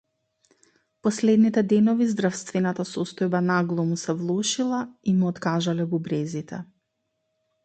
Последните денови здравствената состојба нагло му се влошила и му откажале бубрезите.